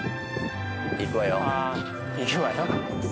「いくわよ」